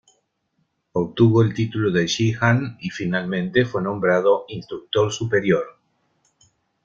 Obtuvo el título de shihan y finalmente fue nombrado instructor superior.